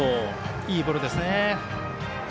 いいボールですね。